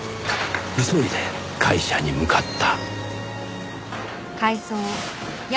急いで会社に向かった。